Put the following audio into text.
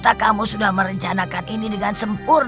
apakah kamu sudah merencanakan ini dengan sempurna